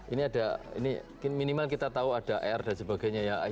ini ada ini minimal kita tahu ada r dan sebagainya ya